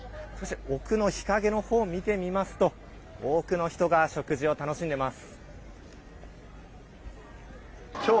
奥の日陰のほうを見てみますと多くの人が食事を楽しんでいます。